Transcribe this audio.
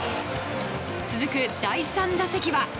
続く第３打席は。